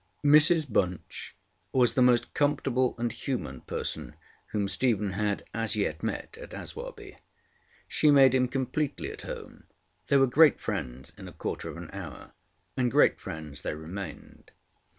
Mrs Bunch was the most comfortable and human person whom Stephen had as yet met in Aswarby. She made him completely at home; they were great friends in a quarter of an hour: and great friends they remained.